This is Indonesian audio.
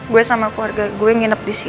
gue sama keluarga gue nginep di new plaza